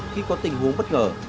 khi có tình huống bất ngờ